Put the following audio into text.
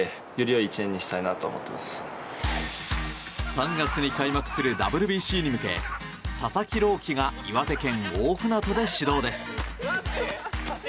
３月に開幕するＷＢＣに向け佐々木朗希が岩手県大船渡で始動です。